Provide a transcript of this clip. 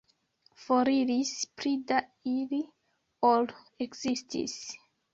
Foriris pli da ili, ol ekzistis.